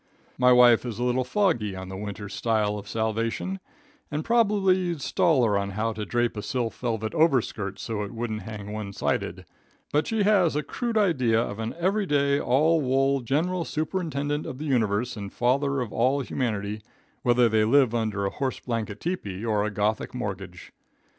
"My wife is a little foggy on the winter style of salvation, and probably you'd stall her on how to drape a silk velvet overskirt so it wouldn't hang one sided, but she has a crude idea of an every day, all wool General Superintendent of the Universe and Father of all Humanity, whether they live under a horse blanket tepee or a Gothic mortgage.